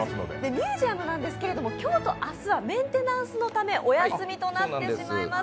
ミュージアムなんですけど今日と明日はメンテナンスのためお休みとなっています。